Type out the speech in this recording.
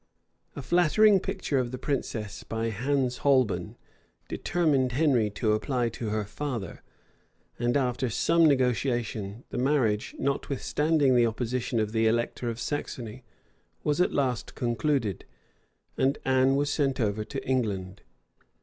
A flattering picture of the princess, by Hans Holben, determined Henry to apply to her father; and after some negotiation, the marriage, notwithstanding the opposition of the elector of Saxony was at last concluded; and Anne was sent over to England.